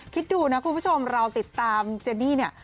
คิดดูนะคุณผู้ชมเราติดตามเจดี้เนี่ย